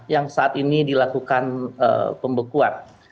yang saat ini dilakukan pembekuan